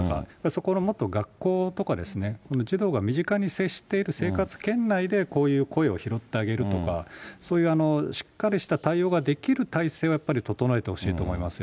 そこのもっと、学校とかですね、児童が身近に接している生活圏内でこういう声を拾ってあげるとか、そういうしっかりした対応ができる体制を整えてほしいと思います